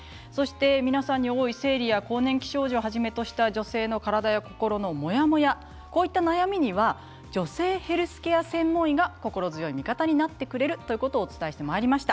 皆さんに多い、生理や更年期症状をはじめとする女性の体や心のモヤモヤそういった悩みには女性ヘルスケア専門医が心強い味方になってくれるということをお伝えしてまいりました。